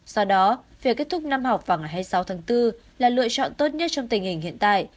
do đó việc kết thúc năm học vào ngày hai mươi sáu tháng bốn là lựa chọn tốt nhất trong tình hình hiện tại